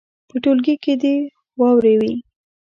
په ټولګي کې دې یې واوروي.